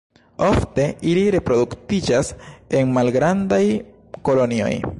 Ofte ili reproduktiĝas en malgrandaj kolonioj.